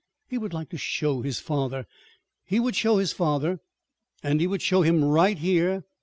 He would like to show his father. He would show his father. And he would show him right here.